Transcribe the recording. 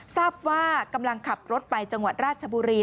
ทราบว่ากำลังขับรถไปจังหวัดราชบุรี